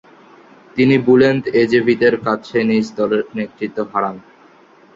তিনি বুলেন্ত এজেভিতের কাছে নিজ দলের নেতৃত্ব হারান।